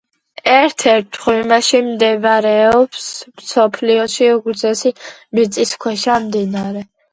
ერთ-ერთ მღვიმეში მდებარეობს მსოფლიოში უგრძესი მიწისქვეშა მდინარე.